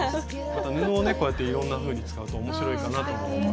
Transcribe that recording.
また布をねこうやっていろんなふうに使うと面白いかなとも思います。